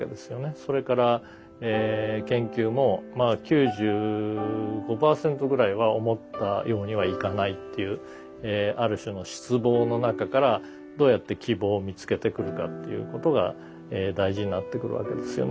それから研究も９５パーセントぐらいは思ったようにはいかないっていうある種の失望の中からどうやって希望を見つけてくるかっていうことが大事になってくるわけですよね。